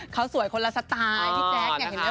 เขาสวยคนละสไตล์พี่แจ๊คเนี่ยเห็นไหม